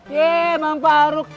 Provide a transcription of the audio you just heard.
yeah bang farug